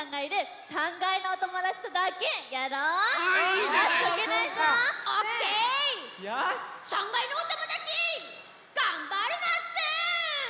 ３かいのおともだちがんばるナッツ！